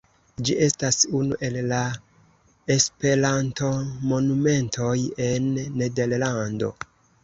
Ĝi estas unu el la Esperantomonumentoj en Nederlando.